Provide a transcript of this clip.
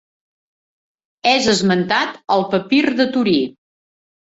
És esmentat al Papir de Torí.